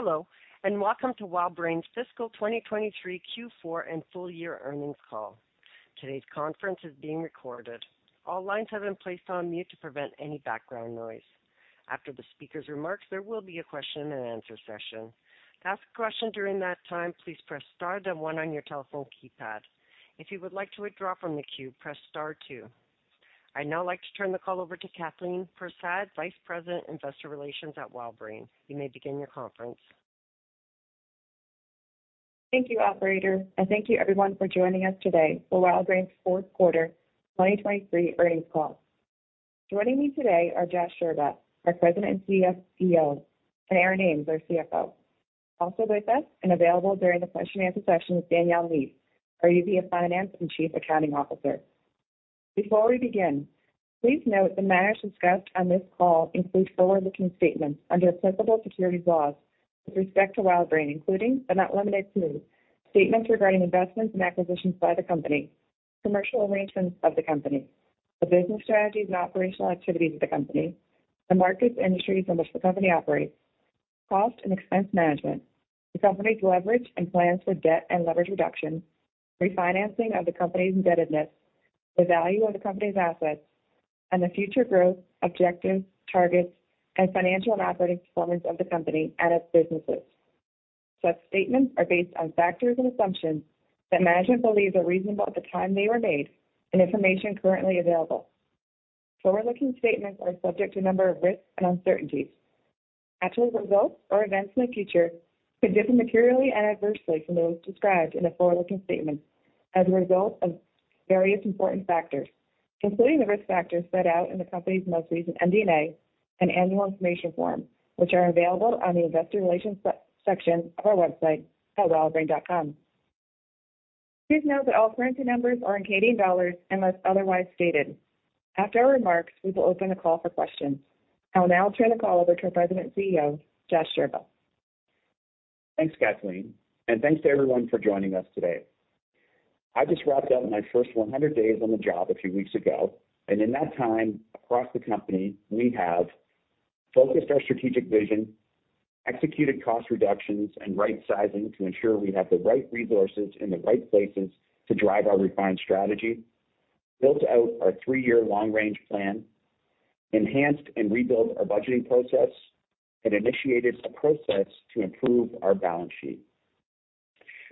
Hello, and welcome to WildBrain's Fiscal 2023 Q4 and Full Year Earnings Call. Today's conference is being recorded. All lines have been placed on mute to prevent any background noise. After the speaker's remarks, there will be a question-and-answer session. To ask a question during that time, please press star then one on your telephone keypad. If you would like to withdraw from the queue, press star two. I'd now like to turn the call over to Kathleen Persaud, Vice President, Investor Relations at WildBrain. You may begin your conference. Thank you, operator, and thank you everyone for joining us today for WildBrain's Q4 2023 Earnings Call. Joining me today are Josh Scherba, our President and CEO, and Aaron Ames, our CFO. Also with us and available during the question-and-answer session is Danielle Neath, our EVP of Finance and Chief Accounting Officer. Before we begin, please note the matters discussed on this call include forward-looking statements under applicable securities laws with respect to WildBrain, including, but not limited to, statements regarding investments and acquisitions by the company, commercial arrangements of the company, the business strategies and operational activities of the company, the markets and industries in which the company operates, cost and expense management, the company's leverage and plans for debt and leverage reduction, refinancing of the company's indebtedness, the value of the company's assets, and the future growth, objectives, targets, and financial and operating performance of the company and its businesses. Such statements are based on factors and assumptions that management believes are reasonable at the time they were made and information currently available. Forward-looking statements are subject to a number of risks and uncertainties. Actual results or events in the future could differ materially and adversely from those described in the forward-looking statements as a result of various important factors, including the risk factors set out in the company's most recent MD&A and annual information form, which are available on the investor relations section of our website at wildbrain.com. Please note that all currency numbers are in Canadian dollars unless otherwise stated. After our remarks, we will open the call for questions. I will now turn the call over to our President and CEO, Josh Scherba. Thanks, Kathleen, and thanks to everyone for joining us today. I just wrapped up my first 100 days on the job a few weeks ago, and in that time, across the company, we have focused our strategic vision, executed cost reductions and right sizing to ensure we have the right resources in the right places to drive our refined strategy, built out our three-year long range plan, enhanced and rebuilt our budgeting process, and initiated a process to improve our balance sheet.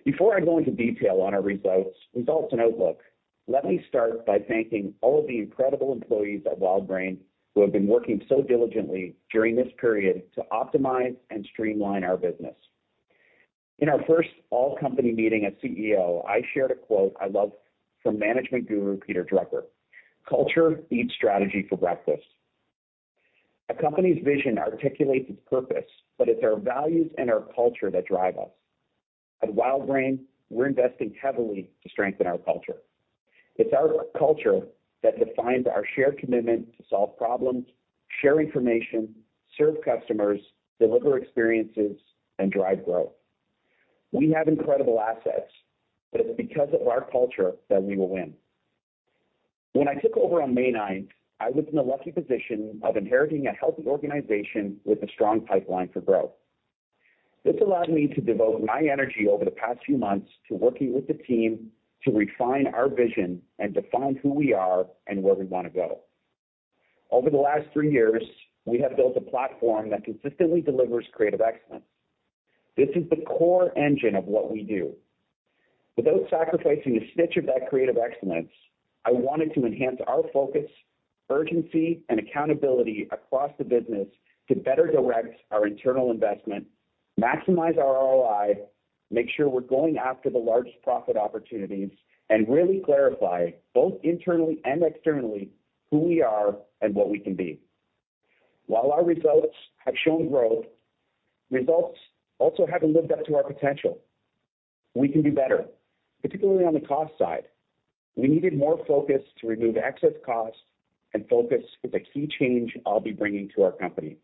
Before I go into detail on our results and outlook, let me start by thanking all of the incredible employees at WildBrain who have been working so diligently during this period to optimize and streamline our business. In our first all-company meeting as CEO, I shared a quote I love from management guru Peter Drucker: "Culture eats strategy for breakfast." A company's vision articulates its purpose, but it's our values and our culture that drive us. At WildBrain, we're investing heavily to strengthen our culture. It's our culture that defines our shared commitment to solve problems, share information, serve customers, deliver experiences, and drive growth. We have incredible assets, but it's because of our culture that we will win. When I took over on May 9th, I was in the lucky position of inheriting a healthy organization with a strong pipeline for growth. This allowed me to devote my energy over the past few months to working with the team to refine our vision and define who we are and where we want to go. Over the last three years, we have built a platform that consistently delivers creative excellence. This is the core engine of what we do. Without sacrificing a stitch of that creative excellence, I wanted to enhance our focus, urgency, and accountability across the business to better direct our internal investment, maximize our ROI, make sure we're going after the largest profit opportunities, and really clarify, both internally and externally, who we are and what we can be. While our results have shown growth, results also haven't lived up to our potential. We can do better, particularly on the cost side. We needed more focus to remove excess costs and focus is a key change I'll be bringing to our company,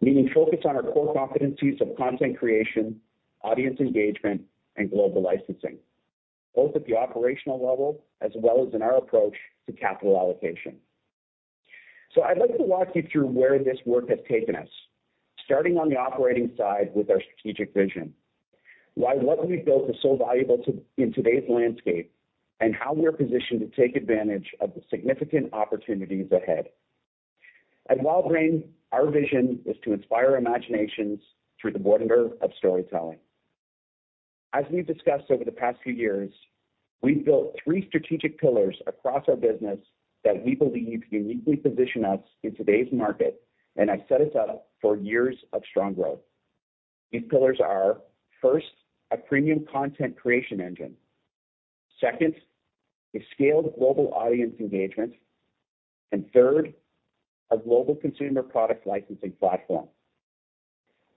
meaning focus on our core competencies of content creation, audience engagement, and global licensing, both at the operational level as well as in our approach to capital allocation. So I'd like to walk you through where this work has taken us, starting on the operating side with our strategic vision, why what we've built is so valuable to in today's landscape, and how we are positioned to take advantage of the significant opportunities ahead. At WildBrain, our vision is to inspire imaginations through the wonder of storytelling. As we've discussed over the past few years, we've built three strategic pillars across our business that we believe uniquely position us in today's market and have set us up for years of strong growth. These pillars are, first, a premium content creation engine. Second, a scaled global audience engagement, and third, a global consumer product licensing platform.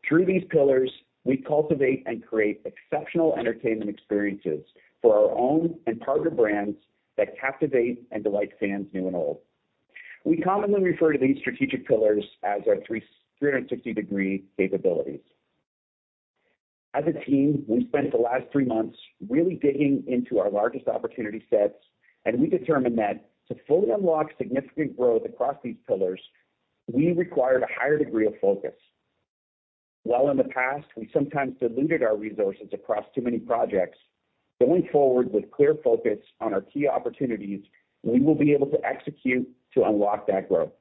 Through these pillars, we cultivate and create exceptional entertainment experiences for our own and partner brands that captivate and delight fans new and old. We commonly refer to these strategic pillars as our 360-degree capabilities. As a team, we've spent the last three months really digging into our largest opportunity sets, and we determined that to fully unlock significant growth across these pillars, we required a higher degree of focus. While in the past, we sometimes diluted our resources across too many projects, going forward with clear focus on our key opportunities, we will be able to execute to unlock that growth.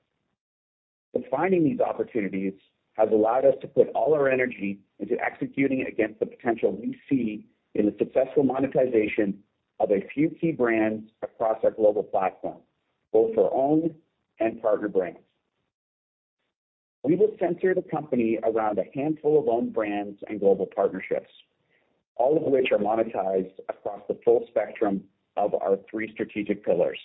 But finding these opportunities has allowed us to put all our energy into executing against the potential we see in the successful monetization of a few key brands across our global platform, both our own and partner brands. We will center the company around a handful of own brands and global partnerships, all of which are monetized across the full spectrum of our three strategic pillars.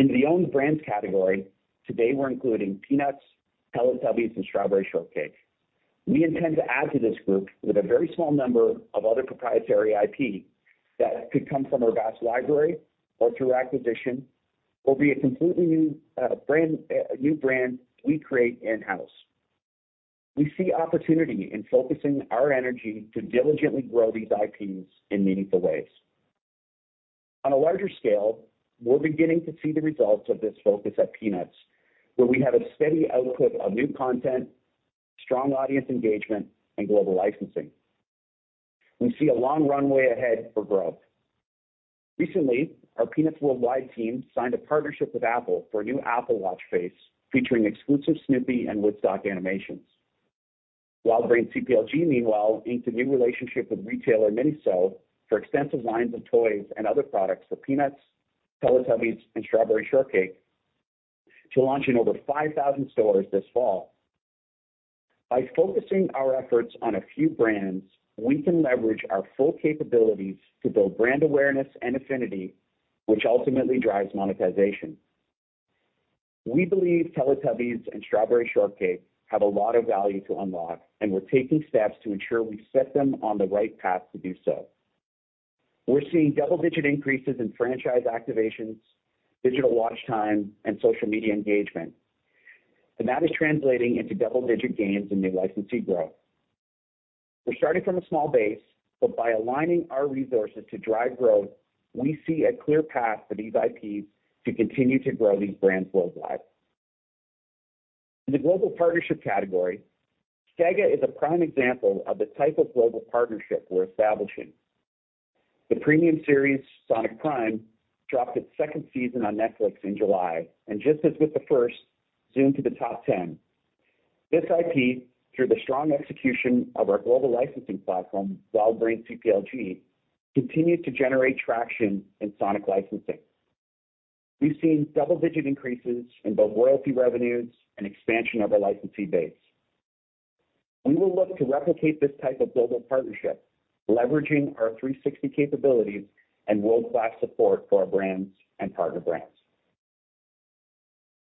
In the own brands category, today we're including Peanuts, Teletubbies, and Strawberry Shortcake. We intend to add to this group with a very small number of other proprietary IP that could come from our vast library or through acquisition, or be a completely new brand we create in-house. We see opportunity in focusing our energy to diligently grow these IPs in meaningful ways. On a larger scale, we're beginning to see the results of this focus at Peanuts, where we have a steady output of new content, strong audience engagement, and global licensing. We see a long runway ahead for growth. Recently, our Peanuts Worldwide team signed a partnership with Apple for a new Apple Watch face, featuring exclusive Snoopy and Woodstock animations. WildBrain CPLG, meanwhile, inked a new relationship with retailer MINISO, for extensive lines of toys and other products for Peanuts, Teletubbies, and Strawberry Shortcake to launch in over 5,000 stores this fall. By focusing our efforts on a few brands, we can leverage our full capabilities to build brand awareness and affinity, which ultimately drives monetization. We believe Teletubbies and Strawberry Shortcake have a lot of value to unlock, and we're taking steps to ensure we set them on the right path to do so. We're seeing double-digit increases in franchise activations, digital watch time, and social media engagement, and that is translating into double-digit gains in new licensee growth. We're starting from a small base, but by aligning our resources to drive growth, we see a clear path for these IPs to continue to grow these brands worldwide. In the global partnership category, SEGA is a prime example of the type of global partnership we're establishing. The premium series, Sonic Prime, dropped its second season on Netflix in July, and just as with the first, zoomed to the top 10. This IP, through the strong execution of our global licensing platform, WildBrain CPLG, continued to generate traction in Sonic licensing. We've seen double-digit increases in both royalty revenues and expansion of our licensee base. We will look to replicate this type of global partnership, leveraging our 360 capabilities and world-class support for our brands and partner brands.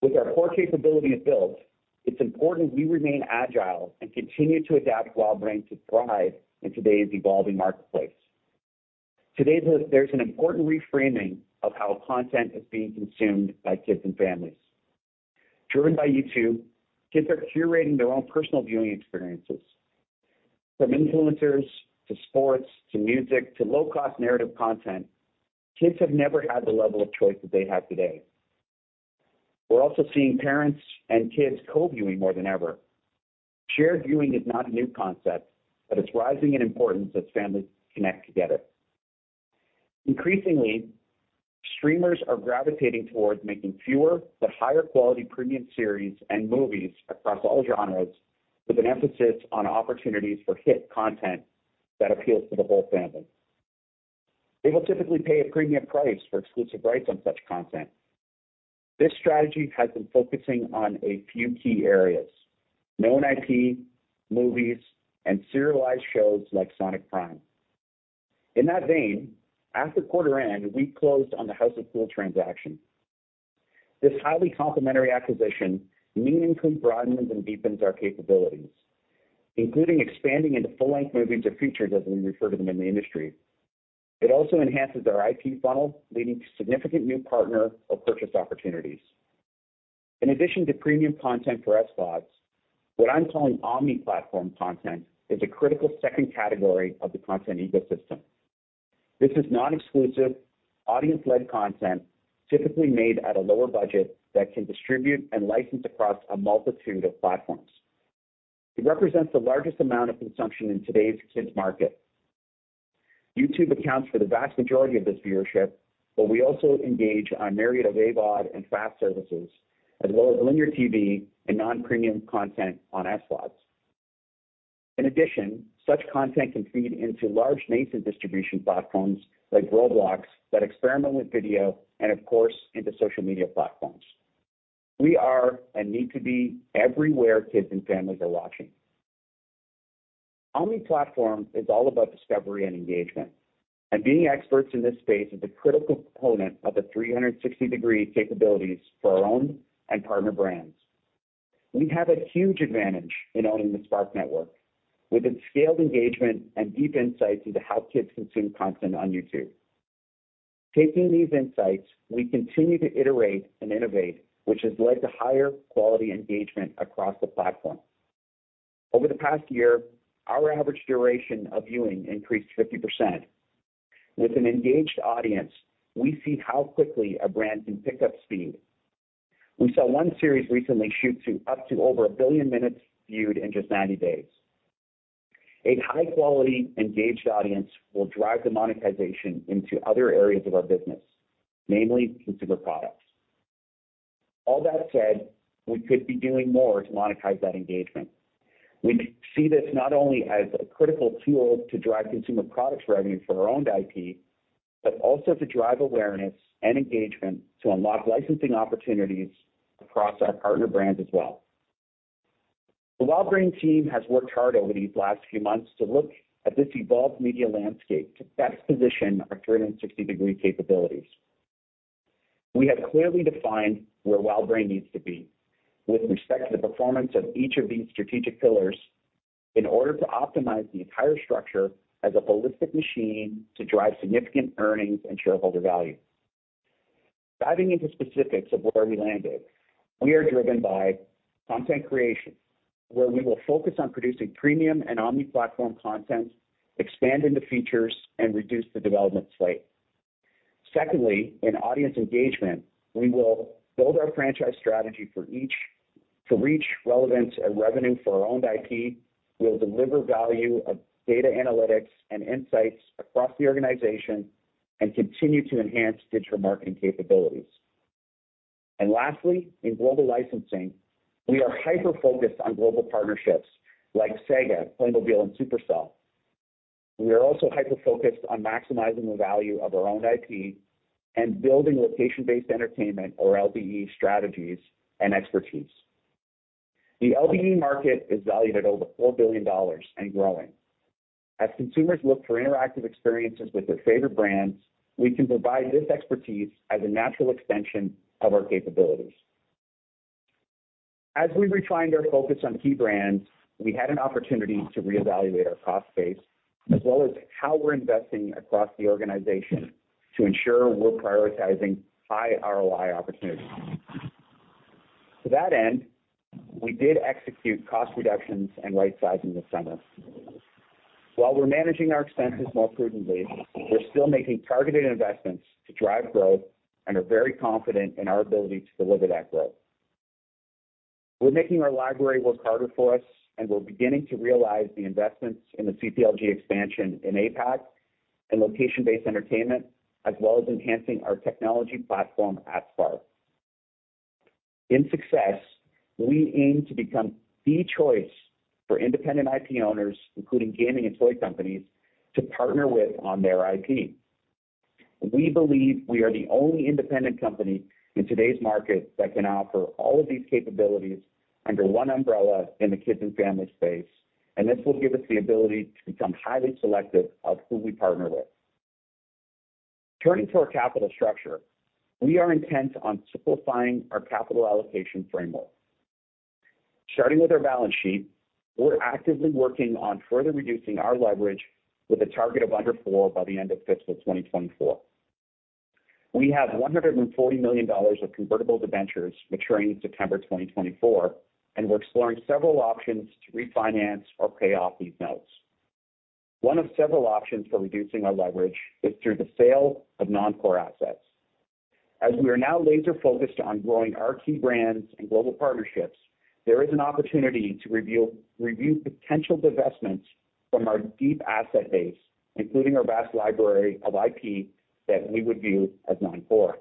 With our core capability at build, it's important we remain agile and continue to adapt WildBrain to thrive in today's evolving marketplace. Today, there's an important reframing of how content is being consumed by kids and families. Driven by YouTube, kids are curating their own personal viewing experiences. From influencers, to sports, to music, to low-cost narrative content, kids have never had the level of choice that they have today. We're also seeing parents and kids co-viewing more than ever. Shared viewing is not a new concept, but it's rising in importance as families connect together. Increasingly, streamers are gravitating towards making fewer but higher quality premium series and movies across all genres, with an emphasis on opportunities for hit content that appeals to the whole family. They will typically pay a premium price for exclusive rights on such content. This strategy has been focusing on a few key areas: known IP, movies, and serialized shows like Sonic Prime. In that vein, at the quarter end, we closed on the House of Cool transaction. This highly complementary acquisition meaningfully broadens and deepens our capabilities, including expanding into full-length movies or features, as we refer to them in the industry. It also enhances our IP funnel, leading to significant new partner or purchase opportunities. In addition to premium content for SVODs, what I'm calling omni platform content, is a critical second category of the content ecosystem. This is not exclusive, audience-led content, typically made at a lower budget that can distribute and license across a multitude of platforms. It represents the largest amount of consumption in today's kids market. YouTube accounts for the vast majority of this viewership, but we also engage on myriad AVOD and FAST services, as well as linear TV and non-premium content on SVODs. In addition, such content can feed into large native distribution platforms like Roblox, that experiment with video and, of course, into social media platforms. We are and need to be everywhere kids and families are watching. Omni platform is all about discovery and engagement, and being experts in this space is a critical component of the 360-degree capabilities for our own and partner brands. We have a huge advantage in owning the Spark network, with its scaled engagement and deep insights into how kids consume content on YouTube. Taking these insights, we continue to iterate and innovate, which has led to higher quality engagement across the platform. Over the past year, our average duration of viewing increased 50%. With an engaged audience, we see how quickly a brand can pick up speed. We saw one series recently shoot to up to over 1 billion minutes viewed in just 90 days. A high quality, engaged audience will drive the monetization into other areas of our business, namely consumer products. All that said, we could be doing more to monetize that engagement. We see this not only as a critical tool to drive consumer products revenue for our owned IP, but also to drive awareness and engagement to unlock licensing opportunities across our partner brands as well. The WildBrain team has worked hard over these last few months to look at this evolved media landscape to best position our 360-degree capabilities. We have clearly defined where WildBrain needs to be with respect to the performance of each of these strategic pillars, in order to optimize the entire structure as a holistic machine to drive significant earnings and shareholder value. Diving into specifics of where we landed, we are driven by content creation, where we will focus on producing premium and omni platform content, expand into features, and reduce the development slate. Secondly, in audience engagement, we will build our franchise strategy for each to reach relevance and revenue for our owned IP. We'll deliver value of data analytics and insights across the organization, and continue to enhance digital marketing capabilities. And lastly, in global licensing, we are hyper-focused on global partnerships like SEGA, Playmobil, and Supercell. We are also hyper-focused on maximizing the value of our owned IP and building location-based entertainment, or LBE, strategies and expertise. The LBE market is valued at over 4 billion dollars and growing. As consumers look for interactive experiences with their favorite brands, we can provide this expertise as a natural extension of our capabilities. As we refined our focus on key brands, we had an opportunity to reevaluate our cost base, as well as how we're investing across the organization to ensure we're prioritizing high ROI opportunities. To that end, we did execute cost reductions and rightsizing this summer. While we're managing our expenses more prudently, we're still making targeted investments to drive growth and are very confident in our ability to deliver that growth. We're making our library work harder for us, and we're beginning to realize the investments in the CPLG expansion in APAC and location-based entertainment, as well as enhancing our technology platform at Spark. In success, we aim to become the choice for independent IP owners, including gaming and toy companies, to partner with on their IP. We believe we are the only independent company in today's market that can offer all of these capabilities under one umbrella in the kids and family space, and this will give us the ability to become highly selective of who we partner with. Turning to our capital structure, we are intent on simplifying our capital allocation framework. Starting with our balance sheet, we're actively working on further reducing our leverage with a target of under four by the end of fiscal 2024. We have 140 million dollars of convertible debentures maturing September 2024, and we're exploring several options to refinance or pay off these notes. One of several options for reducing our leverage is through the sale of non-core assets. As we are now laser-focused on growing our key brands and global partnerships, there is an opportunity to review potential divestments from our deep asset base, including our vast library of IP that we would view as non-core.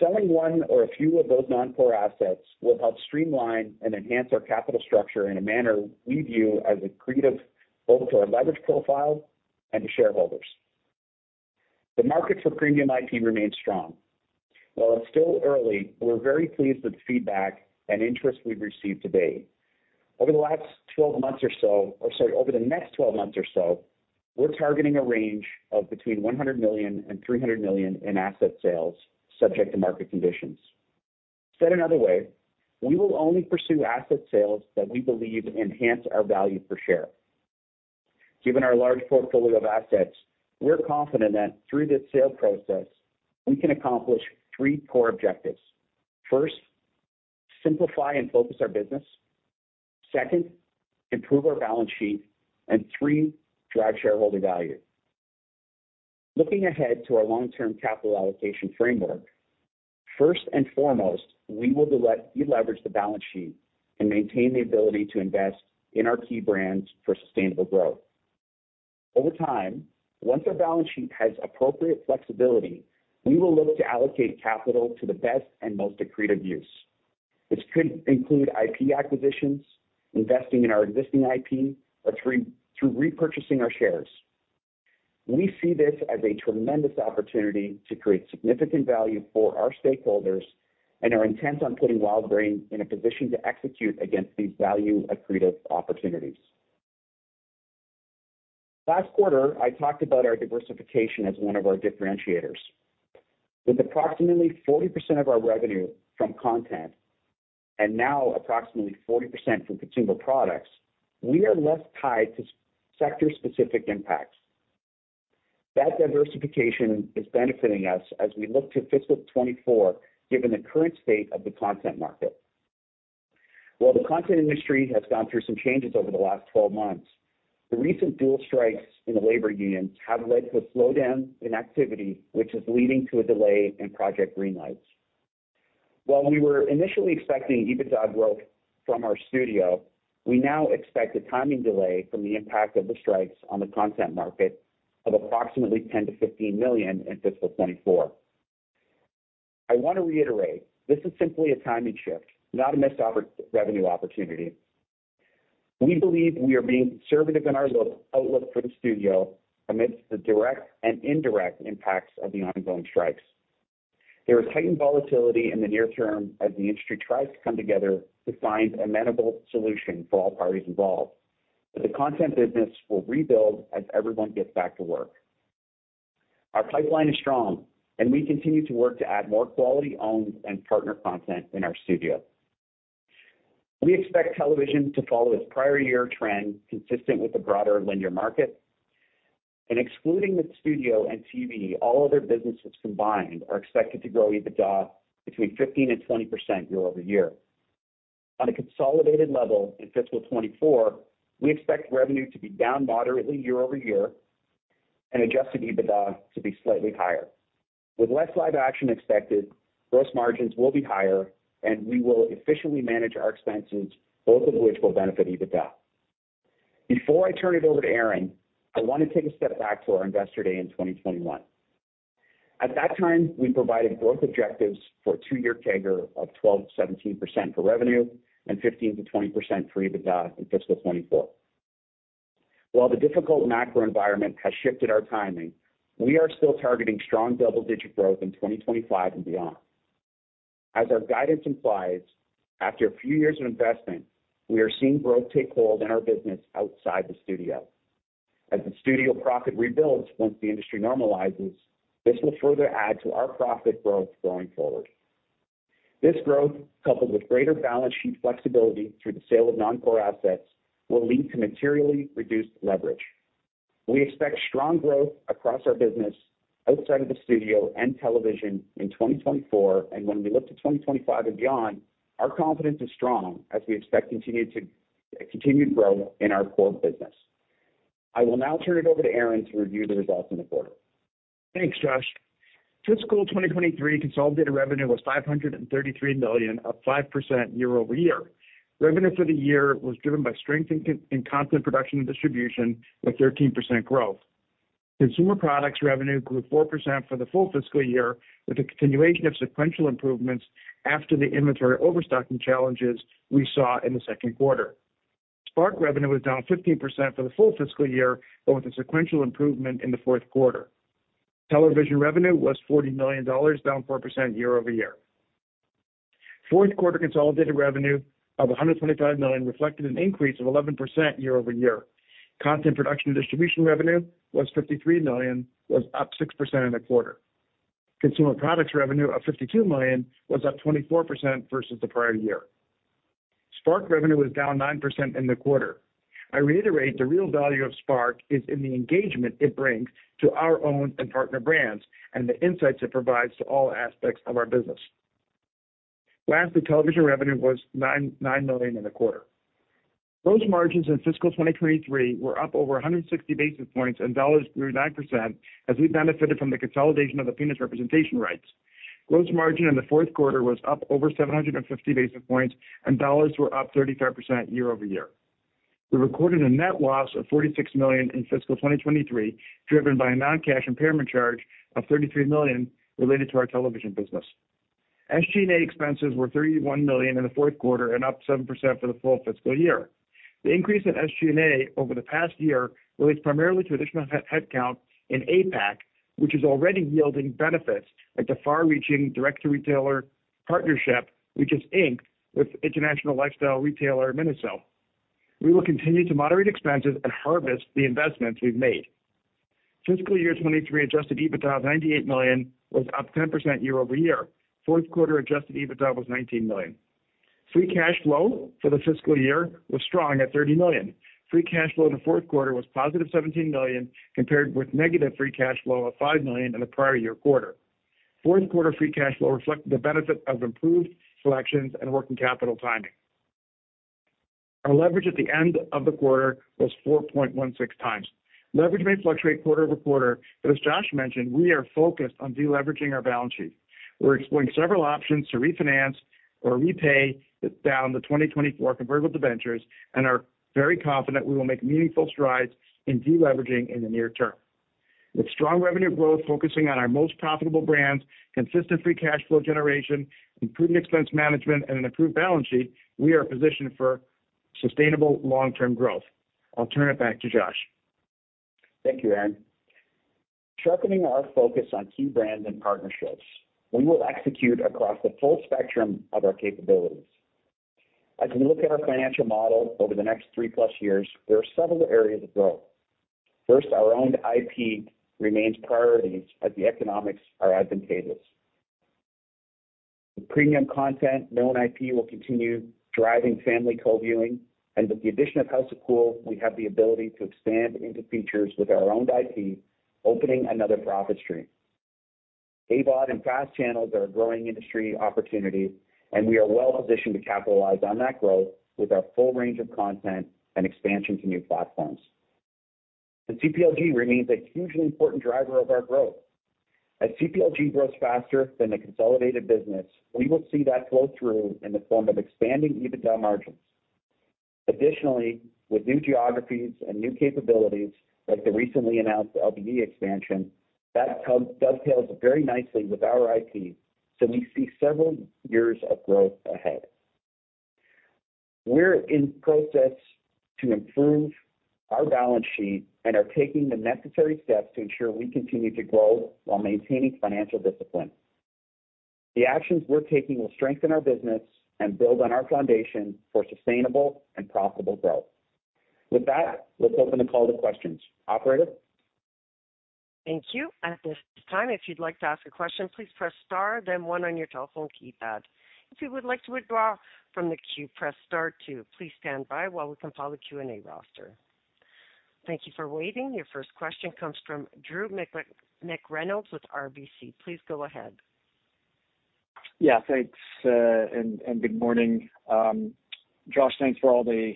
Selling one or a few of those non-core assets will help streamline and enhance our capital structure in a manner we view as accretive, both to our leverage profile and to shareholders. The market for premium IP remains strong. While it's still early, we're very pleased with the feedback and interest we've received to date. Over the next 12 months or so, we're targeting a range of between 100 million and 300 million in asset sales, subject to market conditions. Said another way, we will only pursue asset sales that we believe enhance our value per share. Given our large portfolio of assets, we're confident that through this sale process, we can accomplish three core objectives. First, simplify and focus our business. Second, improve our balance sheet. And three, drive shareholder value. Looking ahead to our long-term capital allocation framework, first and foremost, we will deleverage the balance sheet and maintain the ability to invest in our key brands for sustainable growth. Over time, once our balance sheet has appropriate flexibility, we will look to allocate capital to the best and most accretive use, which could include IP acquisitions, investing in our existing IP, or through repurchasing our shares. We see this as a tremendous opportunity to create significant value for our stakeholders and are intent on putting WildBrain in a position to execute against these value accretive opportunities. Last quarter, I talked about our diversification as one of our differentiators. With approximately 40% of our revenue from content, and now approximately 40% from consumer products, we are less tied to sector-specific impacts. That diversification is benefiting us as we look to fiscal 2024, given the current state of the content market. While the content industry has gone through some changes over the last 12 months, the recent dual strikes in the labor unions have led to a slowdown in activity, which is leading to a delay in project greenlights. While we were initially expecting EBITDA growth from our studio, we now expect a timing delay from the impact of the strikes on the content market of approximately 10 million to 15 million in fiscal 2024. I want to reiterate, this is simply a timing shift, not a missed revenue opportunity. We believe we are being conservative in our outlook for the studio amidst the direct and indirect impacts of the ongoing strikes. There is heightened volatility in the near term as the industry tries to come together to find amenable solution for all parties involved, but the content business will rebuild as everyone gets back to work. Our pipeline is strong, and we continue to work to add more quality owned and partner content in our studio. We expect television to follow its prior year trend, consistent with the broader linear market, and excluding the studio and TV, all other businesses combined are expected to grow EBITDA between 15% to 20% year-over-year. On a consolidated level in fiscal 2024, we expect revenue to be down moderately year-over-year and adjusted EBITDA to be slightly higher. With less live action expected, gross margins will be higher, and we will efficiently manage our expenses, both of which will benefit EBITDA. Before I turn it over to Aaron, I want to take a step back to our Investor Day in 2021. At that time, we provided growth objectives for a two-year CAGR of 12% to 17% for revenue and 15% to 20% for EBITDA in fiscal 2024. While the difficult macro environment has shifted our timing, we are still targeting strong double-digit growth in 2025 and beyond. As our guidance implies, after a few years of investment, we are seeing growth take hold in our business outside the studio. As the studio profit rebuilds once the industry normalizes, this will further add to our profit growth going forward. This growth, coupled with greater balance sheet flexibility through the sale of non-core assets, will lead to materially reduced leverage. We expect strong growth across our business outside of the studio and television in 2024, and when we look to 2025 and beyond, our confidence is strong as we expect continued growth in our core business. I will now turn it over to Aaron to review the results in the quarter. Thanks, Josh. Fiscal 2023 consolidated revenue was 533 million, up 5% year-over-year. Revenue for the year was driven by strength in content production and distribution, with 13% growth. Consumer products revenue grew 4% for the full fiscal year, with a continuation of sequential improvements after the inventory overstocking challenges we saw in the second quarter. Spark revenue was down 15% for the full fiscal year, but with a sequential improvement in the Q4. Television revenue was 40 million dollars, down 4% year-over-year. Q4 consolidated revenue of 125 million reflected an increase of 11% year-over-year. Content production and distribution revenue was 53 million, was up 6% in the quarter. Consumer products revenue of 52 million was up 24% versus the prior year. Spark revenue was down 9% in the quarter. I reiterate, the real value of Spark is in the engagement it brings to our own and partner brands, and the insights it provides to all aspects of our business. Lastly, television revenue was 99 million in the quarter. Gross margins in fiscal 2023 were up over 160 basis points, and dollars grew 9% as we benefited from the consolidation of the Peanuts representation rights. Gross margin in the fourth quarter was up over 750 basis points, and dollars were up 35% year over year. We recorded a net loss of 46 million in fiscal 2023, driven by a non-cash impairment charge of 33 million related to our television business. SG&A expenses were 31 million in the fourth quarter and up 7% for the full fiscal year. The increase in SG&A over the past year relates primarily to additional headcount in APAC, which is already yielding benefits, like the far-reaching direct-to-retailer partnership, which is inked with international lifestyle retailer MINISO. We will continue to moderate expenses and harvest the investments we've made. Fiscal year 2023 adjusted EBITDA of 98 million was up 10% year-over-year. Q4 adjusted EBITDA was 19 million. Free cash flow for the fiscal year was strong at 30 million. Free cash flow in the Q4 was positive 17 million, compared with negative free cash flow of 5 million in the prior year quarter. Q4 free cash flow reflected the benefit of improved selections and working capital timing. Our leverage at the end of the quarter was 4.16x. Leverage may fluctuate quarter-over-quarter, but as Josh mentioned, we are focused on deleveraging our balance sheet. We're exploring several options to refinance or repay down the 2024 convertible debentures and are very confident we will make meaningful strides in deleveraging in the near term. With strong revenue growth, focusing on our most profitable brands, consistent free cash flow generation, improved expense management, and an improved balance sheet, we are positioned for sustainable long-term growth. I'll turn it back to Josh. Thank you, Aaron. Sharpening our focus on key brands and partnerships, we will execute across the full spectrum of our capabilities. As we look at our financial model over the next 3+ years, there are several areas of growth. First, our owned IP remains priorities as the economics are advantageous. The premium content known IP will continue driving family co-viewing, and with the addition of House of Cool, we have the ability to expand into features with our owned IP, opening another profit stream. AVOD and FAST channels are a growing industry opportunity, and we are well positioned to capitalize on that growth with our full range of content and expansion to new platforms. The CPLG remains a hugely important driver of our growth. As CPLG grows faster than the consolidated business, we will see that flow through in the form of expanding EBITDA margins. Additionally, with new geographies and new capabilities, like the recently announced LBE expansion, that comes, dovetails very nicely with our IP, so we see several years of growth ahead. We're in process to improve our balance sheet and are taking the necessary steps to ensure we continue to grow while maintaining financial discipline. The actions we're taking will strengthen our business and build on our foundation for sustainable and profitable growth. With that, let's open the call to questions. Operator? Thank you. At this time, if you'd like to ask a question, please press star, then one on your telephone keypad. If you would like to withdraw from the queue, press star two. Please stand by while we compile the Q&A roster. Thank you for waiting. Your first question comes from Drew McReynolds with RBC. Please go ahead. Yeah, thanks, and good morning. Josh, thanks for all the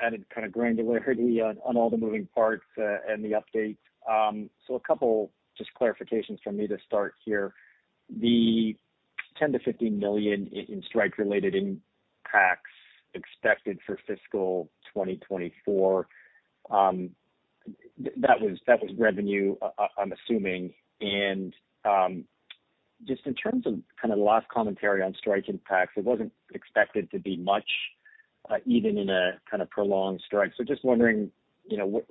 added kind of granularity on all the moving parts and the updates. So a couple just clarifications from me to start here. The 10 million to 15 million in strike-related impacts expected for fiscal 2024, that was revenue, I'm assuming. And just in terms of kind of the last commentary on strike impacts, it wasn't expected to be much, even in a kind of prolonged strike. So just wondering, you know, what,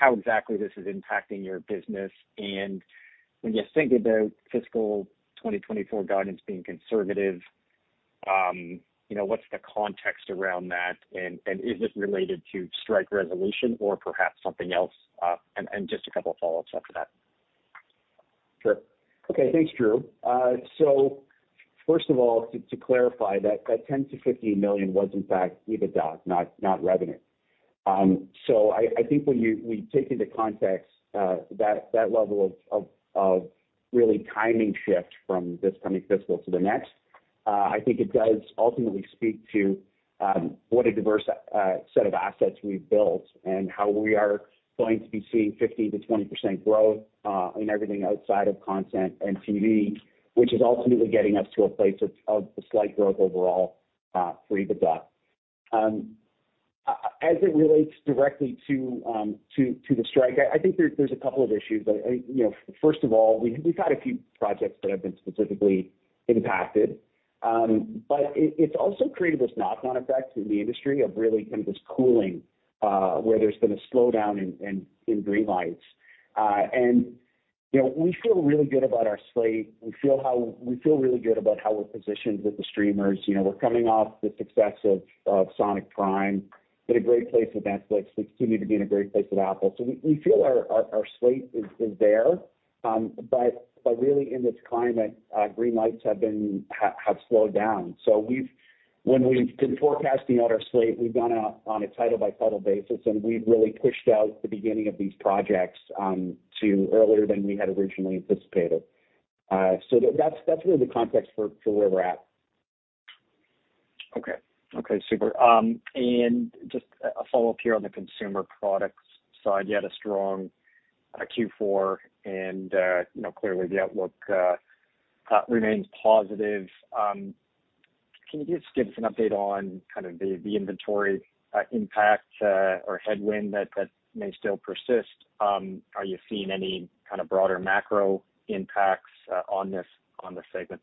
how exactly this is impacting your business? And when you think about fiscal 2024 guidance being conservative, you know, what's the context around that? And is it related to strike resolution or perhaps something else? And just a couple of follow-ups after that. Sure. Okay, thanks, Drew. So first of all, to clarify, that 10 million to 15 million was in fact EBITDA, not revenue. So I think when we take into context that level of really timing shift from this coming fiscal to the next, I think it does ultimately speak to what a diverse set of assets we've built and how we are going to be seeing 50% to 20% growth in everything outside of content and TV, which is ultimately getting us to a place of a slight growth overall for EBITDA. As it relates directly to the strike, I think there's a couple of issues. But you know, first of all, we've had a few projects that have been specifically impacted. But it, it's also created this knock-on effect in the industry of really kind of this cooling, where there's been a slowdown in greenlights. And, you know, we feel really good about our slate. We feel really good about how we're positioned with the streamers. You know, we're coming off the success of Sonic Prime, in a great place with Netflix, we continue to be in a great place with Apple. So we feel our slate is there, but really in this climate, greenlights have slowed down. So when we've been forecasting out our slate, we've done it on a title-by-title basis, and we've really pushed out the beginning of these projects to earlier than we had originally anticipated. So that's really the context for where we're at. Just a follow-up here on the consumer products side, you had a strong Q4 and, you know, clearly the outlook remains positive. Can you just give us an update on kind of the inventory impact or headwind that may still persist? Are you seeing any kind of broader macro impacts on this segment?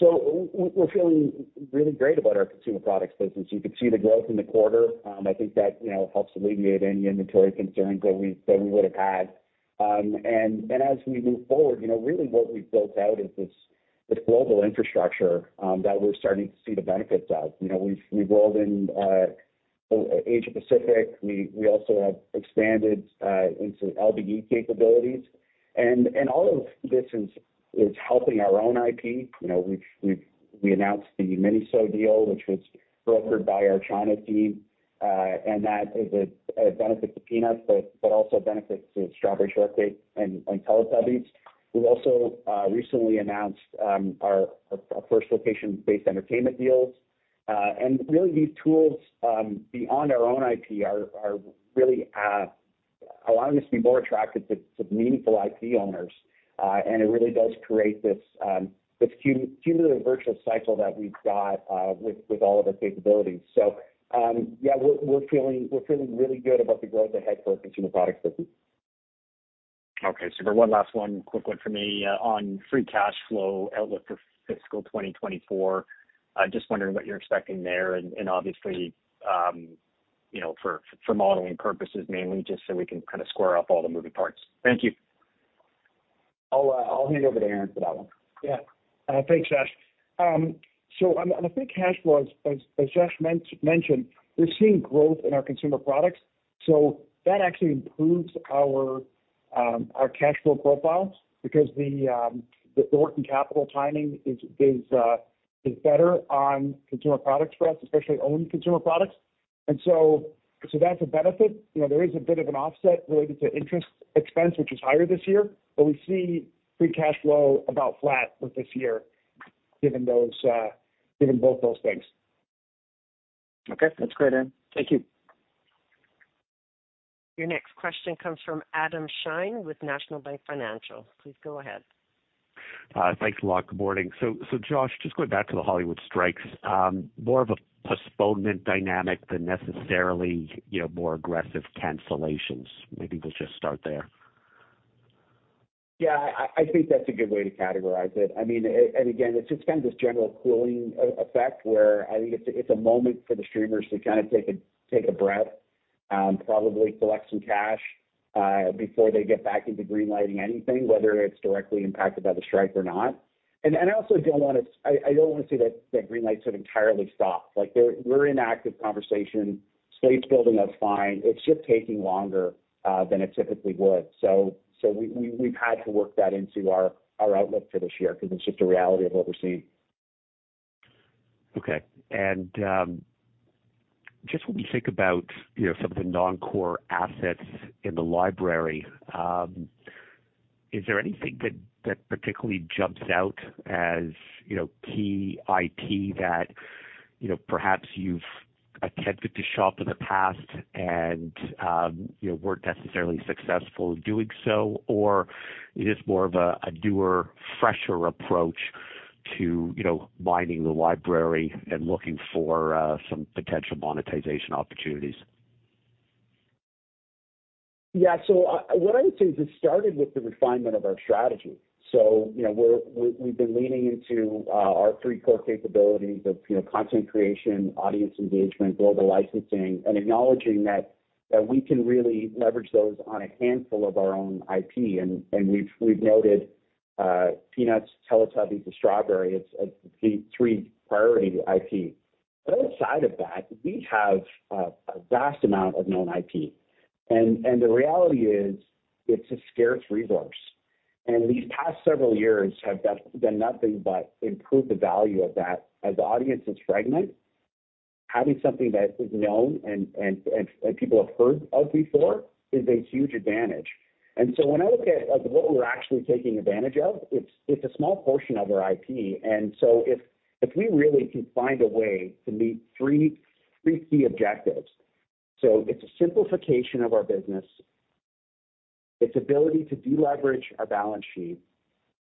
So we're feeling really great about our consumer products business. You could see the growth in the quarter. I think that, you know, helps alleviate any inventory concerns that we would have had. And as we move forward, you know, really what we've built out is this global infrastructure that we're starting to see the benefits of. You know, we've rolled in Asia Pacific. We also have expanded into LBE capabilities. And all of this is helping our own IP. You know, we've announced the MINISO deal, which was brokered by our China team, and that is a benefit to Peanuts, but also benefits to Strawberry Shortcake and Teletubbies. We've also recently announced our first location-based entertainment deals. And really, these tools, beyond our own IP, are really allowing us to be more attractive to meaningful IP owners, and it really does create this cumulative virtual cycle that we've got with all of our capabilities. So, yeah, we're feeling really good about the growth ahead for our consumer products business. One last one, quick one for me on free cash flow outlook for fiscal 2024. I'm just wondering what you're expecting there and obviously, you know, for modeling purposes, mainly just so we can kind of square up all the moving parts. Thank you. I'll, I'll hand over to Aaron for that one. Yeah. Thanks, Josh. So on the free cash flow, as Josh mentioned, we're seeing growth in our consumer products, so that actually improves our cash flow profile because the working capital timing is better on consumer products for us, especially owned consumer products. So that's a benefit. You know, there is a bit of an offset related to interest expense, which is higher this year, but we see free cash flow about flat with this year, given both those things. Okay, that's great, Aaron. Thank you. Your next question comes from Adam Shine with National Bank Financial. Please go ahead. Thanks a lot. Good morning. So, Josh, just going back to the Hollywood strikes, more of a postponement dynamic than necessarily, you know, more aggressive cancellations. Maybe we'll just start there. Yeah, I think that's a good way to categorize it. I mean, and again, it's just kind of this general cooling effect, where I think it's a moment for the streamers to kind of take a breath, probably collect some cash, before they get back into greenlighting anything, whether it's directly impacted by the strike or not. And I also don't wanna say that the greenlights have entirely stopped. Like, we're in active conversation. Slates building up fine. It's just taking longer than it typically would. So we've had to work that into our outlook for this year because it's just a reality of what we're seeing. Okay. Just when we think about, you know, some of the non-core assets in the library, is there anything that particularly jumps out as, you know, key IP that, you know, perhaps you've attempted to shop in the past and, you know, weren't necessarily successful doing so, or it is more of a doer, fresher approach to, you know, mining the library and looking for some potential monetization opportunities? Yeah, so I, what I would say is it started with the refinement of our strategy. So, you know, we, we've been leaning into our three core capabilities of, you know, content creation, audience engagement, global licensing, and acknowledging that, that we can really leverage those on a handful of our own IP. And we've noted Peanuts, Teletubbies, and Strawberry; it's the three priority IP. But outside of that, we have a vast amount of known IP, and the reality is, it's a scarce resource. And these past several years have done nothing but improve the value of that. As audience is fragment, having something that is known and people have heard of before, is a huge advantage. When I look at what we're actually taking advantage of, it's a small portion of our IP. If we really can find a way to meet three key objectives, so it's a simplification of our business, it's ability to deleverage our balance sheet,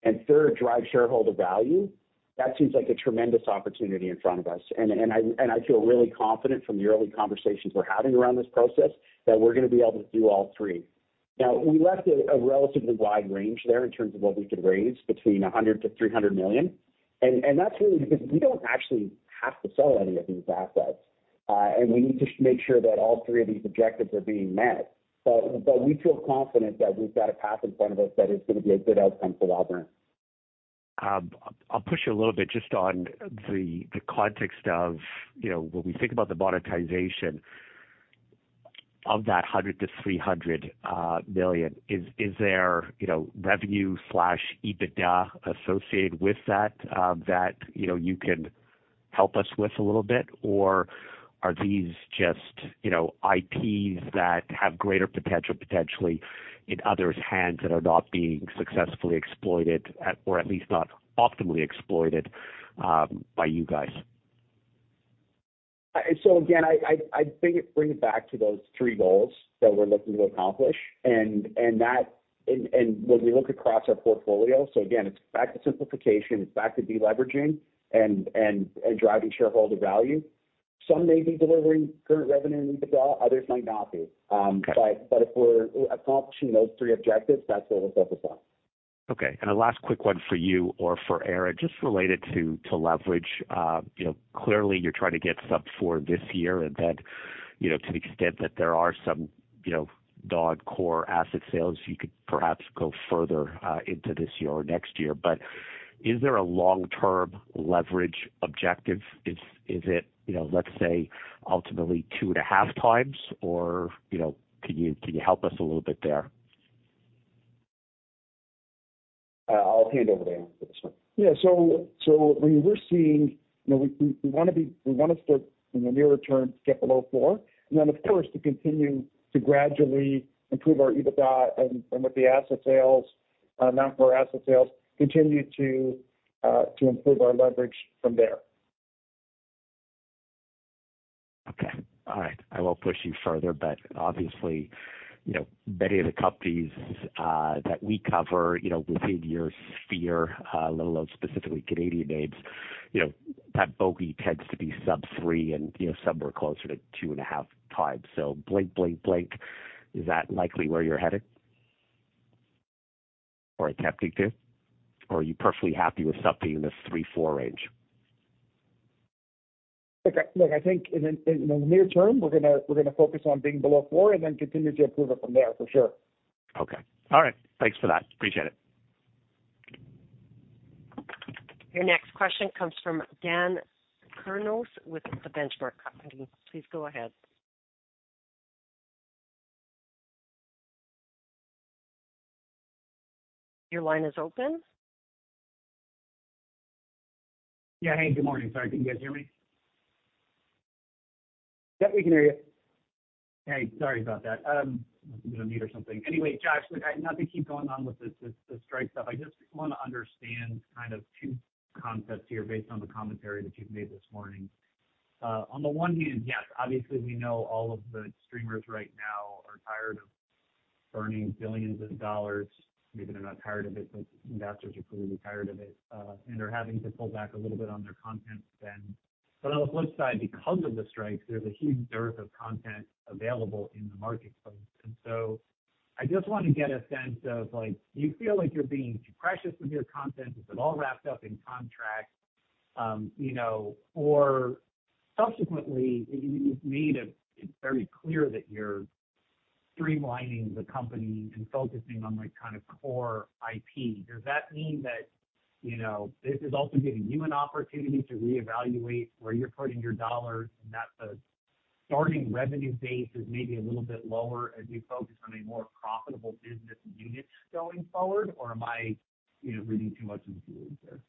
and third, drive shareholder value, that seems like a tremendous opportunity in front of us. I feel really confident from the early conversations we're having around this process, that we're gonna be able to do all three. Now, we left a relatively wide range there in terms of what we could raise between 100 million to 300 million, and that's really because we don't actually have to sell any of these assets, and we need to make sure that all three of these objectives are being met. But we feel confident that we've got a path in front of us that is gonna be a good outcome for Aaron. I'll push you a little bit just on the, the context of, you know, when we think about the monetization of that 100 million to 300 million, is there, you know, revenue/EBITDA associated with that, that, you know, you can help us with a little bit? Or are these just, you know, IPs that have greater potential, potentially in others' hands, that are not being successfully exploited at, or at least not optimally exploited, by you guys? So again, I think it brings it back to those three goals that we're looking to accomplish. And that when we look across our portfolio, so again, it's back to simplification, it's back to deleveraging and driving shareholder value. Some may be delivering current revenue and EBITDA, others might not be. But if we're accomplishing those three objectives, that's what we're focused on. Okay, and a last quick one for you or for Aaron, just related to leverage. You know, clearly you're trying to get sub-four this year and then, you know, to the extent that there are some, you know, non-core asset sales, you could perhaps go further into this year or next year. But is there a long-term leverage objective? Is it, you know, let's say, ultimately 2.5 times, or, you know, can you help us a little bit there? I'll hand over to Aaron for this one. Yeah. We wanna start in the nearer term, get below four, and then, of course, to continue to gradually improve our EBITDA and, and with the asset sales, not more asset sales, continue to improve our leverage from there. Okay, all right. I won't push you further, but obviously, you know, many of the companies that we cover, you know, within your sphere, let alone specifically Canadian names, you know, that bogey tends to be sub-three and, you know, somewhere closer to 2.5x. So blank, is that likely where you're headed or attempting to? Or are you perfectly happy with something in the three to four range? Look, I think in the near term, we're gonna focus on being below four and then continue to improve it from there, for sure. Okay. All right. Thanks for that. Appreciate it. Your next question comes from Dan Kurnos with The Benchmark Company. Please go ahead. Your line is open. Yeah. Hey, good morning. Sorry, can you guys hear me? Yep, we can hear you. Hey, sorry about that. I was in a mute or something. Anyway, Josh, look, not to keep going on with this, the strike stuff, I just want to understand kind of two concepts here based on the commentary that you've made this morning. On the one hand, yes, obviously, we know all of the streamers right now are tired of burning billions of dollars. Maybe they're not tired of it, but investors are clearly tired of it, and they're having to pull back a little bit on their content spend. But on the flip side, because of the strikes, there's a huge dearth of content available in the marketplace. And so I just want to get a sense of, like, do you feel like you're being too precious with your content? Is it all wrapped up in contracts? You know, or subsequently, you've made it very clear that you're streamlining the company and focusing on, like, kind of core IP. Does that mean that, you know, this is also giving you an opportunity to reevaluate where you're putting your dollars, and that the starting revenue base is maybe a little bit lower as you focus on a more profitable business unit going forward? Or am I, you know, reading too much into it there?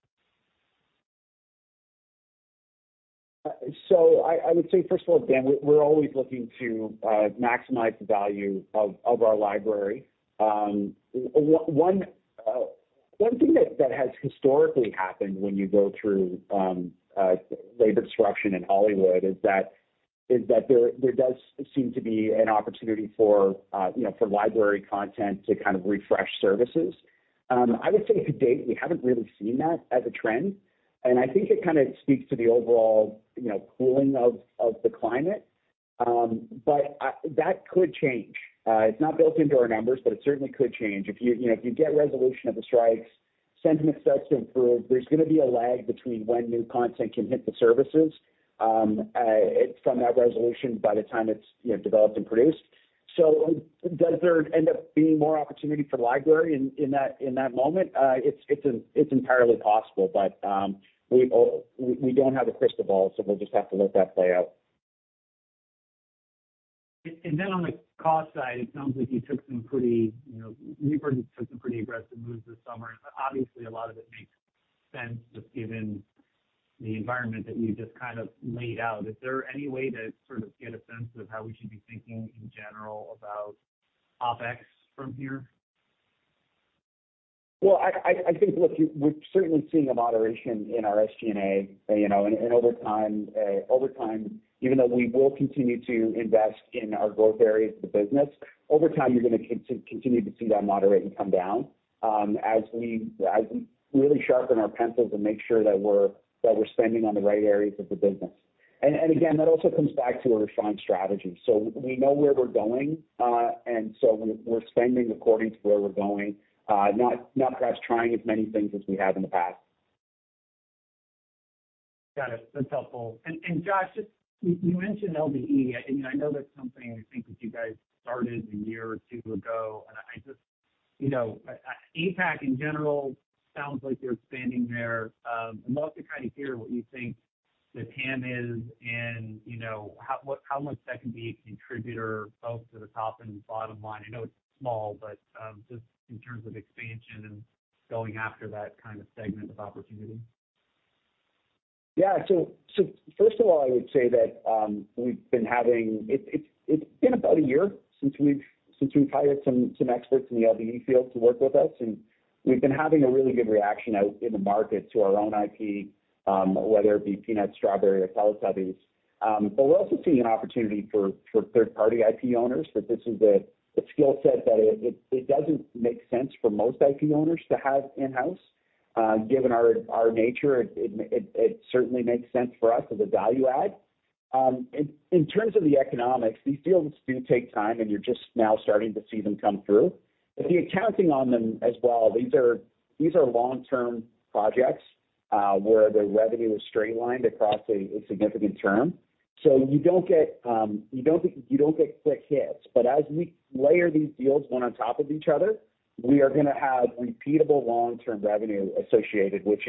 So I would say, first of all, Dan, we're always looking to maximize the value of our library. One thing that has historically happened when you go through labor disruption in Hollywood is that there does seem to be an opportunity for, you know, for library content to refresh services. I would say to date, we haven't really seen that as a trend, and I think it speaks to the overall, you know, cooling of the climate. But that could change. It's not built into our numbers, but it certainly could change. If you get resolution of the strikes, sentiment starts to improve, there's gonna be a lag between when new content can hit the services from that resolution by the time it's, you know, developed and produced. So does there end up being more opportunity for the library in that moment? It's entirely possible, but we don't have a crystal ball, so we'll just have to let that play out. Then on the cost side, it sounds like you took some pretty aggressive moves this summer, you know. Obviously, a lot of it makes sense, just given the environment that you just kind of laid out. Is there any way to sort of get a sense of how we should be thinking in general about OpEx from here? Well, I think, look, we're certainly seeing a moderation in our SG&A, you know, and over time, over time, even though we will continue to invest in our growth areas of the business, over time, you're gonna continue to see that moderate and come down, as we really sharpen our pencils and make sure that we're spending on the right areas of the business. And again, that also comes back to a refined strategy. So we know where we're going, and so we're spending according to where we're going. Not perhaps trying as many things as we have in the past. Got it. That's helpful. And Josh, just you mentioned LBE. You know, I know that's something I think that you guys started a year or two ago, and I just, you know, APAC in general, sounds like you're expanding there. I'd love to kind of hear what you think the TAM is and how much that can be a contributor both to the top and bottom line. I know it's small, but just in terms of expansion and going after that kind of segment of opportunity. Yeah. So first of all, I would say that we've been having. It's been about a year since we've hired some experts in the LBE field to work with us, and we've been having a really good reaction out in the market to our own IP, whether it be Peanuts, Strawberry, or Teletubbies. But we're also seeing an opportunity for third-party IP owners, that this is a skill set that it doesn't make sense for most IP owners to have in-house. Given our nature, it certainly makes sense for us as a value add. In terms of the economics, these deals do take time, and you're just now starting to see them come through. But the accounting on them as well, these are long-term projects where the revenue is streamlined across a significant term. So you don't get quick hits. But as we layer these deals one on top of each other, we are gonna have repeatable long-term revenue associated, which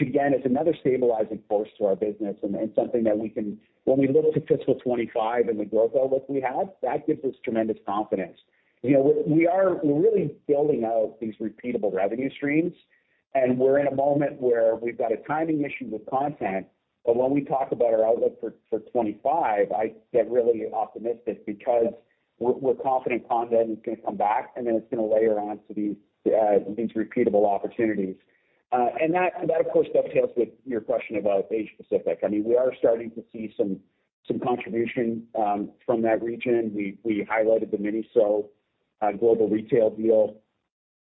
again is another stabilizing force to our business, and something that we can, when we look to fiscal 2025 and the growth outlook we have, that gives us tremendous confidence. You know, we are really building out these repeatable revenue streams, and we're in a moment where we've got a timing issue with content. But when we talk about our outlook for 25, I get really optimistic because we're confident content is gonna come back, and then it's gonna layer on to these repeatable opportunities. And that of course dovetails with your question about Asia Pacific. I mean, we are starting to see some contribution from that region. We highlighted the MINISO global retail deal.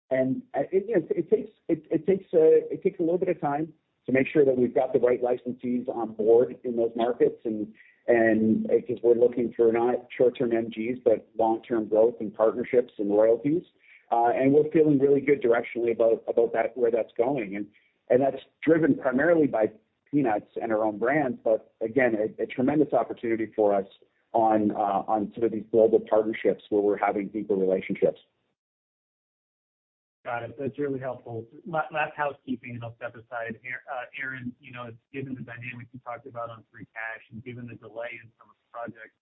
And, you know, it takes a little bit of time to make sure that we've got the right licensees on board in those markets. And because we're looking for not short-term MGs, but long-term growth and partnerships and royalties. And we're feeling really good directionally about that, where that's going. And that's driven primarily by Peanuts and our own brands. But again, a tremendous opportunity for us on some of these global partnerships where we're having deeper relationships. Got it. That's really helpful. Last housekeeping, and I'll step aside. Aaron, you know, given the dynamics you talked about on free cash and given the delay in some of the projects,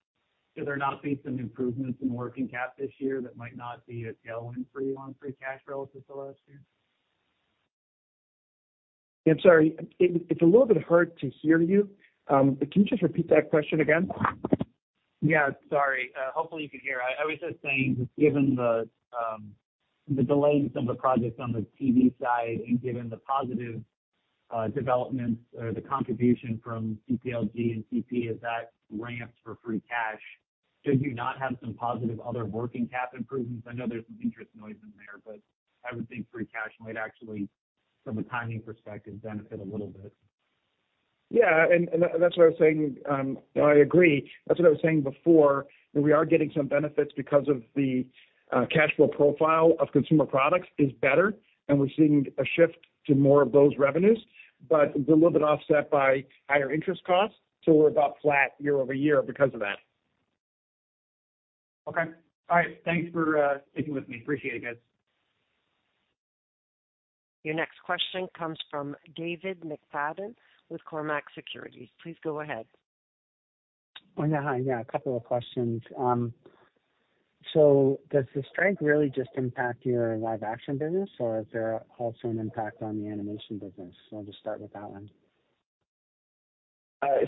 should there not be some improvements in working cap this year that might not be a tailwind for you on free cash relative to last year? I'm sorry, it's a little bit hard to hear you. Can you just repeat that question again? Yeah, sorry. Hopefully, you can hear. I was just saying, just given the delays of the projects on the TV side and given the positive developments or the contribution from CPLG and CP, as that ramps for free cash, should you not have some positive other working cap improvements? I know there's some interest noise in there, but I would think free cash might actually, from a timing perspective, benefit a little bit. Yeah, and that's what I was saying. I agree. That's what I was saying before, that we are getting some benefits because of the cash flow profile of consumer products is better, and we're seeing a shift to more of those revenues. But they're a little bit offset by higher interest costs, so we're about flat year over year because of that. Okay. All right. Thanks for sticking with me. Appreciate it, guys. Your next question comes from David McFadgen with Cormark Securities. Please go ahead. Oh, yeah. Hi, yeah, a couple of questions. So does the strike really just impact your live-action business, or is there also an impact on the animation business? So I'll just start with that one.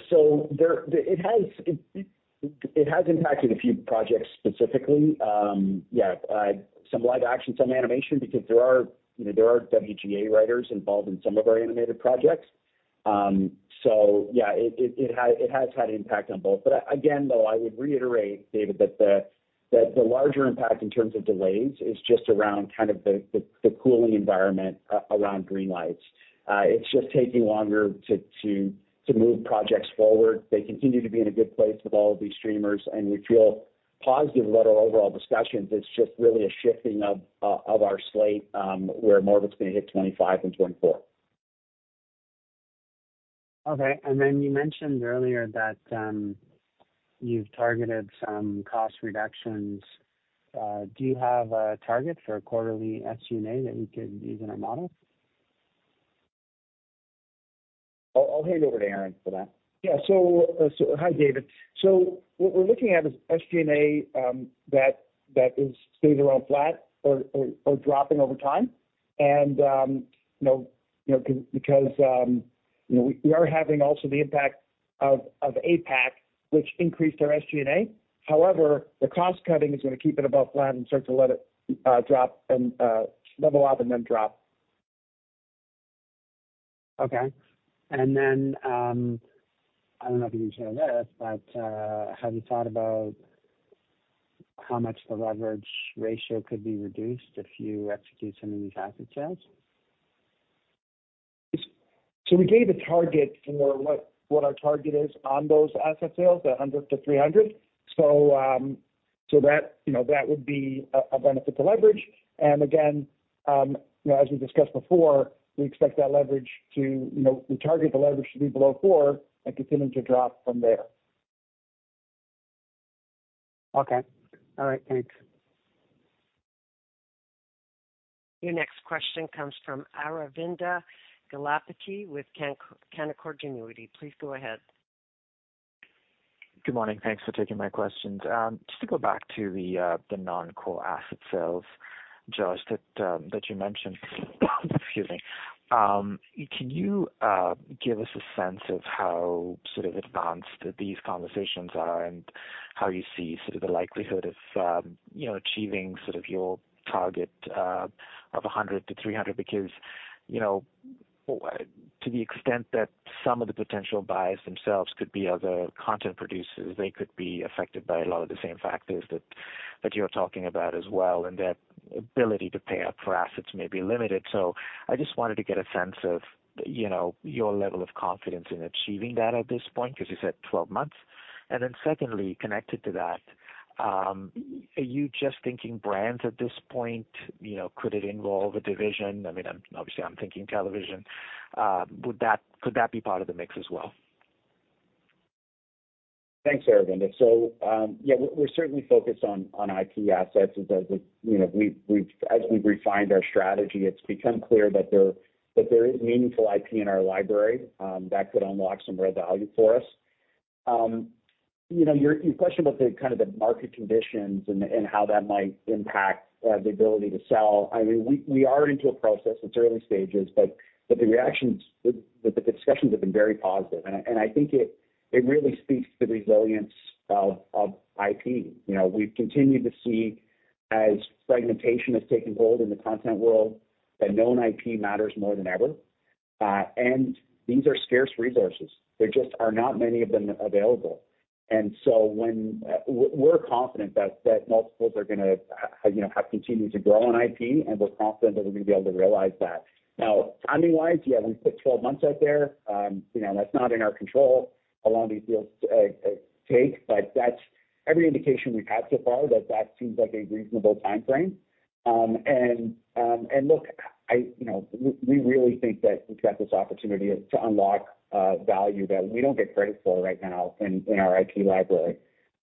So it has impacted a few projects specifically. Some live action, some animation, because there are, you know, there are WGA writers involved in some of our animated projects. So yeah, it has had an impact on both. But again, though, I would reiterate, David, that the larger impact in terms of delays is just around kind of the cooling environment around green lights. It's just taking longer to move projects forward. They continue to be in a good place with all of these streamers, and we feel positive about our overall discussions. It's just really a shifting of our slate, where more of it's going to hit 2025 than 2024. Okay. And then you mentioned earlier that you've targeted some cost reductions. Do you have a target for quarterly SG&A that we could use in our model? I'll hand it over to Aaron for that. Yeah. So hi, David. So what we're looking at is SG&A that is staying around flat or dropping over time. And you know, because you know, we are having also the impact of APAC, which increased our SG&A. However, the cost cutting is going to keep it about flat and start to let it drop and level off and then drop. Okay. And then, I don't know if you can share this, but have you thought about how much the leverage ratio could be reduced if you execute some of these asset sales? We gave a target for what our target is on those asset sales, 100-300. So that, you know, that would be a benefit to leverage. And again, you know, as we discussed before, we expect that leverage to, you know, we target the leverage to be below 4 and continue to drop from there. Okay. All right, thanks. Your next question comes from Aravinda Galappatthige with Canaccord Genuity. Please go ahead. Good morning. Thanks for taking my questions. Just to go back to the non-core asset sales, Josh, that you mentioned. Excuse me. Can you give us a sense of how sort of advanced these conversations are and how you see sort of the likelihood of you know, achieving sort of your target of 100 million to 300 million? Because, you know, to the extent that some of the potential buyers themselves could be other content producers, they could be affected by a lot of the same factors that you're talking about as well, and their ability to pay up for assets may be limited. So I just wanted to get a sense of you know, your level of confidence in achieving that at this point, because you said 12 months. And then secondly, connected to that, are you just thinking brands at this point? You know, could it involve a division? I mean, I'm obviously thinking television. Would that could that be part of the mix as well? Thanks, Aravinda. So, yeah, we're certainly focused on IP assets. As you know, as we've refined our strategy, it's become clear that there is meaningful IP in our library that could unlock some real value for us. You know, your question about the kind of market conditions and how that might impact the ability to sell, I mean, we are into a process. It's early stages, but the discussions have been very positive, and I think it really speaks to the resilience of IP. You know, we've continued to see, as fragmentation has taken hold in the content world, that known IP matters more than ever. And these are scarce resources. There just are not many of them available. So when we're confident that multiples are gonna you know have continued to grow on IP, and we're confident that we're gonna be able to realize that. Now, timing-wise, yeah, we put 12 months out there. You know, that's not in our control, how long these deals take, but that's every indication we've had so far, that that seems like a reasonable timeframe. And look, I you know we really think that we've got this opportunity of to unlock value that we don't get credit for right now in our IP library.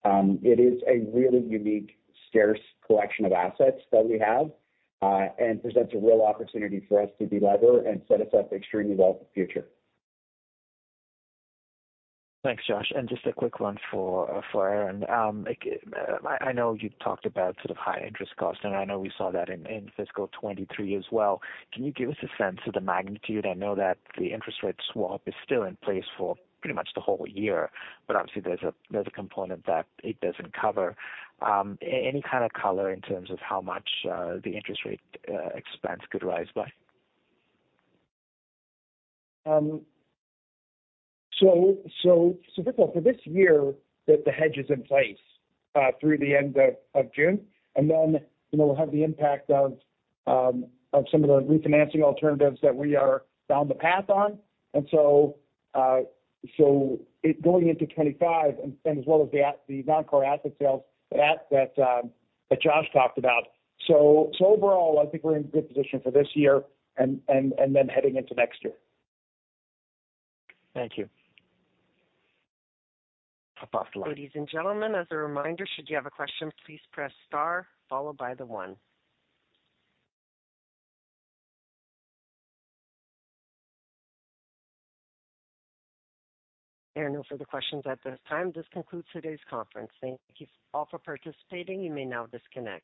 It is a really unique, scarce collection of assets that we have, and presents a real opportunity for us to delever and set us up extremely well for the future. Thanks, Josh, and just a quick one for Aaron. Like, I know you've talked about sort of high-interest costs, and I know we saw that in fiscal 2023 as well. Can you give us a sense of the magnitude? I know that the interest rate swap is still in place for pretty much the whole year, but obviously there's a component that it doesn't cover. Any kind of color in terms of how much the interest rate expense could rise by? For this year, that the hedge is in place through the end of June, and then, you know, we'll have the impact of some of the refinancing alternatives that we are down the path on. And so, going into 2025 and as well as the non-core asset sales that Josh talked about. So, overall, I think we're in a good position for this year and then heading into next year. Thank you. Hop off the line. Ladies and gentlemen, as a reminder, should you have a question, please press star followed by the one. There are no further questions at this time. This concludes today's conference. Thank you all for participating. You may now disconnect.